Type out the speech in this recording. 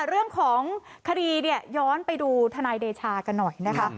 เรื่องของคดีเนี่ยย้อนไปดูทนายเดชากันหน่อยนะคะ